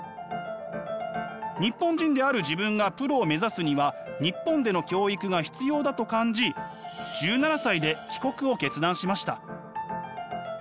日本人である自分がプロを目指すには日本での教育が必要だと感じ１７歳で帰国を決断しました。